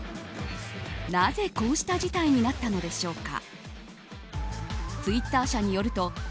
なぜ、こうした事態になったのでしょうか？